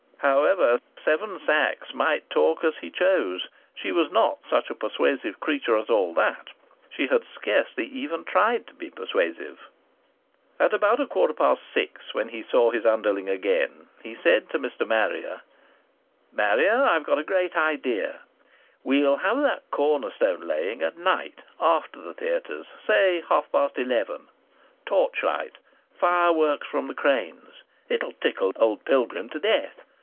However, Seven Sachs might talk as he chose she was not such a persuasive creature as all that! She had scarcely even tried to be persuasive. At about a quarter past six when he saw his underling again he said to Mr. Marrier: "Marrier, I've got a great idea. We'll have that corner stone laying at night. After the theatres. Say half past eleven. Torchlight! Fireworks from the cranes! It'll tickle old Pilgrim to death.